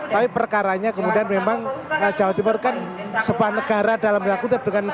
tapi perkaranya kemudian memang jawa timur kan sepanegara dalam laku itu dengan empat puluh tahun